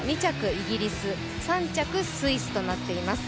イギリス、３着スイスとなっています。